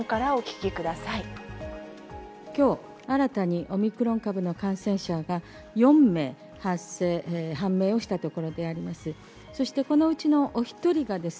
きょう、新たに、オミクロン株の感染者が４名判明をしたところであります。